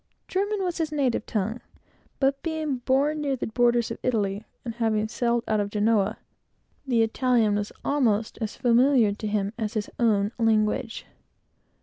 German was his native tongue, but being born near the borders of Italy, and having sailed out of Genoa, the Italian was almost as familiar to him as his own language.